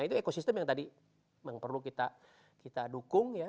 itu ekosistem yang tadi memang perlu kita dukung ya